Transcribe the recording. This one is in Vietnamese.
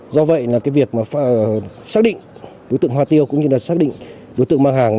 do vậy việc xác định đối tượng hoa tiêu cũng như là xác định đối tượng mang hàng